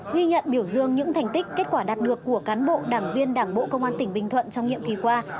ghi nhận biểu dương những thành tích kết quả đạt được của cán bộ đảng viên đảng bộ công an tỉnh bình thuận trong nhiệm kỳ qua